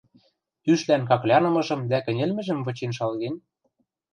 Ӱшлӓн каклянымыжым дӓ кӹньӹлмӹжӹм вычен шалген?